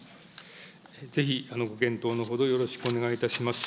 ぜひご検討のほど、よろしくお願いいたします。